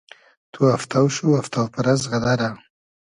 تو افتۆ شو , افتۆ پئرئس غئدئرۂ